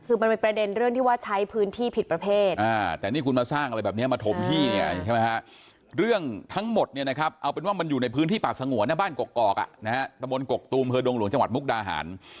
คือมันเป็นประเด็นเรื่องที่ว่าใช้พื้นที่ผิดประเภทอ่า